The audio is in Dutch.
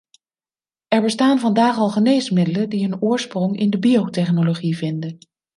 Er bestaan vandaag al geneesmiddelen die hun oorsprong in de biotechnologie vinden.